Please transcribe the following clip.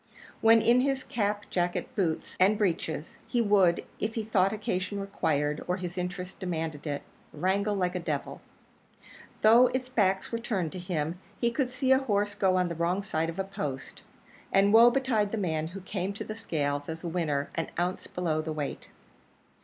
When in his cap, jacket, boots, and breeches, he would, if he thought occasion required or his interests demanded it, wrangle like a devil. Though its back were turned to him, he could see a horse go on the wrong side of a post; and woe betide the man who came to the scales as a winner an ounce below the weight.